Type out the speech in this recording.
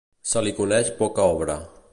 Se li coneix poca obra.